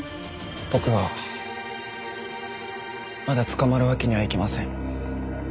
僕はまだ捕まるわけにはいきません。